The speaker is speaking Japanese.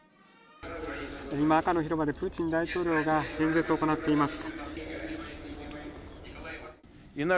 今、赤の広場でプーチン大統領が演説を行っています。